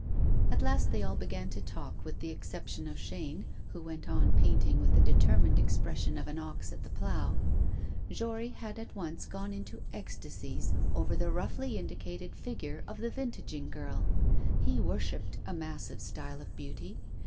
At last they all began to talk, with the exception of Chaîne, who went on painting with the determined expression of an ox at the plough. Jory had at once gone into ecstasies over the roughly indicated figure of the vintaging girl. He worshipped a massive style of beauty.